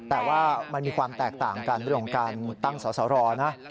แต่ว่ามันมีความแตกต่างกันเรื่องของการตั้งสอสรนะ